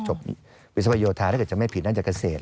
วิศวโยธาถ้าเกิดจะไม่ผิดด้านจากเกษตร